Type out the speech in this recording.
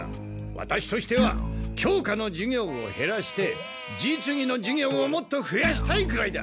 ワタシとしては教科の授業をへらして実技の授業をもっとふやしたいくらいだ！